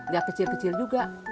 gak kecil kecil juga